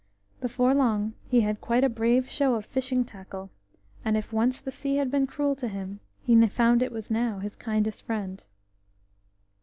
Before long he had quite a brave show of fishing tackle, and if once the sea had been cruel to him, he found it now his kindest friend.